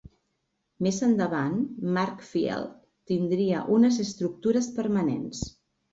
Més endavant, March Field tindria unes estructures permanents.